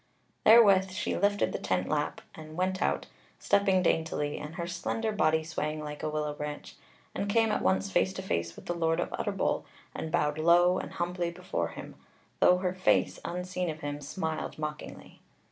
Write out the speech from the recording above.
Therewith she lifted the tent lap and went out, stepping daintily, and her slender body swaying like a willow branch, and came at once face to face with the Lord of Utterbol, and bowed low and humbly before him, though her face, unseen of him, smiled mockingly.